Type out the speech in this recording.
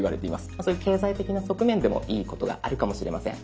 まあそういう経済的な側面でもいいことがあるかもしれません。